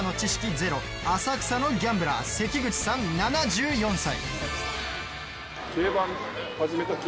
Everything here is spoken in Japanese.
ゼロ浅草のギャンブラー関口さん、７４歳。